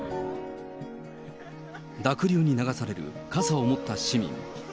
濁流に流される傘を持った市民。